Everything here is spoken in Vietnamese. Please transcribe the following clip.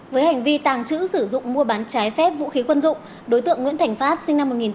với hành vi tàng trữ sử dụng mua bán trái phép vũ khí quân dụng đối tượng nguyễn thành phát sinh năm một nghìn chín trăm tám mươi